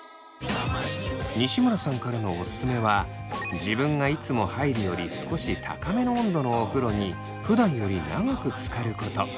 西村さんからのオススメは自分がいつも入るより少し高めの温度のお風呂にふだんより長くつかること。